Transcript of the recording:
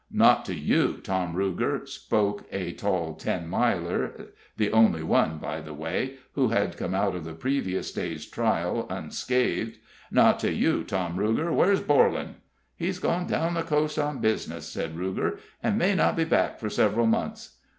"Not to you, Tom Ruger," spoke a tall Ten Miler the only one, by the way, who had come out of the previous day's trial unscathed. "Not to you, Tom Ruger! Where's Borlan?" "He's gone down the coast on business," said Ruger, "and may not be back for several months."